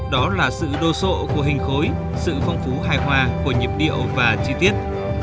đó là sự đô sộ của hình khối sự phong phú hài hòa của nhịp điệu và chi tiết